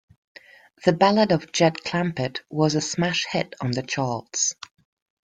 "The Ballad of Jed Clampett" was a smash hit on the charts.